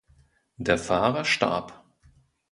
Der Fahrer starb.